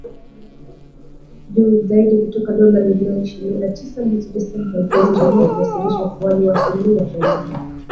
Juu zaidi kutoka dola milioni ishirini na tisa mwezi Disemba elfu mbili ishirini na moja, ikiwasilisha ukuaji wa asilimia arobaine na nne